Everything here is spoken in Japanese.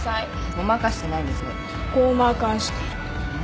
ごまかしてない。